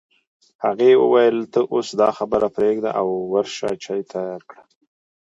هغې وویل ته اوس دا خبرې پرېږده او ورشه چای تيار کړه